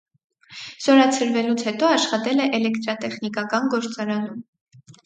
Զորացրվելուց հետո աշխատել է էլեկտրատեխնիկական գործարանում։